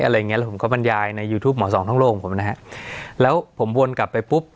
อะไรอย่างเงี้แล้วผมก็บรรยายในยูทูปหมอสองท่องโลกของผมนะฮะแล้วผมวนกลับไปปุ๊บ